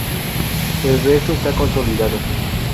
El resto está consolidado.